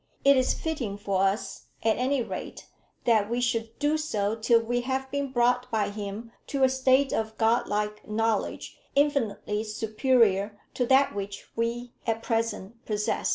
It is fitting for us, at any rate, that we should do so till we have been brought by Him to a state of god like knowledge infinitely superior to that which we at present possess."